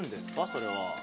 それは。